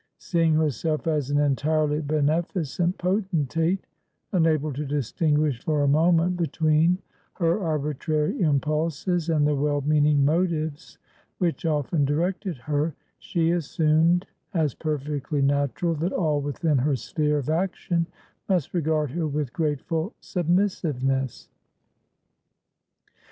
Seeing herself as an entirely beneficent potentate; unable to distinguish for a moment between her arbitrary impulses and the well meaning motives which often directed her; she assumed as perfectly natural that all within her sphere of action must regard her with grateful submissiveness.